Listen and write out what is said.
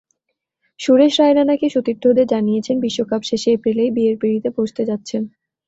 সুরেশ রায়না নাকি সতীর্থদের জানিয়েছেন, বিশ্বকাপ শেষে এপ্রিলেই বিয়ের পিঁড়িতে বসতে যাচ্ছেন।